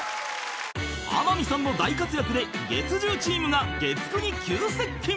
［天海さんの大活躍で月１０チームが月９に急接近！］